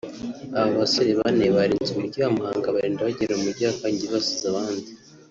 Aba basore bane barenze umujyi wa Muhanga barinda bagera mu mujyi wa Karongi basize abandi